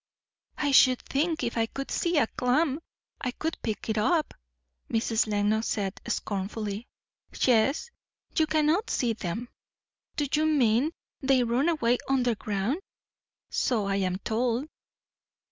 "I should think, if I could see a clam, I could pick it up," Mrs. Lenox said scornfully. "Yes; you cannot see them." "Do you mean, they run away under ground?" "So I am told."